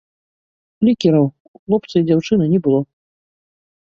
Флікераў у хлопца і дзяўчыны не было.